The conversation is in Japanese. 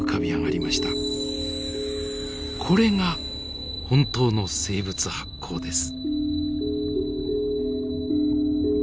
これが本当の生物発光です。